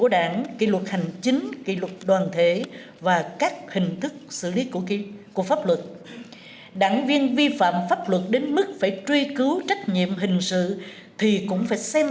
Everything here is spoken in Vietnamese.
đảng viên ở bất kỳ cương vị công tác khi vi phạm đều phải bị xử lý nghiêm